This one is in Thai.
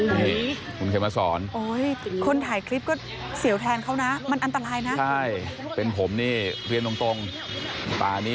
อยู่ใต้โต๊ะอย่างนั้น